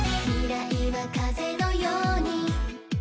「未来は風のように」